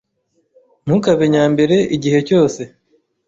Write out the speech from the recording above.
Ntukabe nyambere igihe cyose